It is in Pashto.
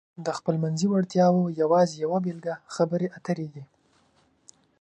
د خپلمنځي وړتیاو یوازې یوه بېلګه خبرې اترې دي.